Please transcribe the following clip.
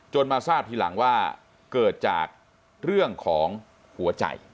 มาทราบทีหลังว่าเกิดจากเรื่องของหัวใจ